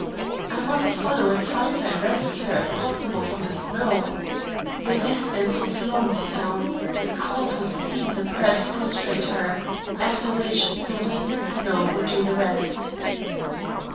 I must follow and find her and rescue her if possible from the snow. The distance was long to town, the cold would seize and perhaps prostrate her, after which, the wind and snow would do the rest.